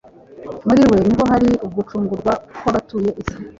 muri we niho hari ugucungurwa kw'abatuye isi